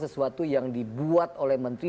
sesuatu yang dibuat oleh menteri